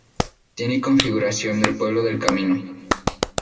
Tiene configuración de pueblo del Camino.